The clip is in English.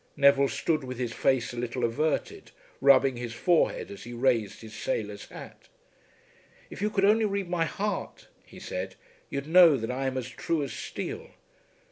Neville stood with his face a little averted, rubbing his forehead as he raised his sailor's hat. "If you could only read my heart," he said, "you'd know that I am as true as steel."